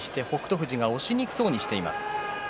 富士が押しにくそうにしています。